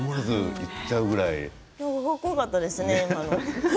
今のかっこよかったですね。